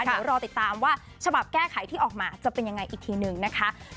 เดี๋ยวรอติดตามว่าฉบับแก้ไขที่ออกมาจะเป็นยังไงอีกทีนึงนะคะ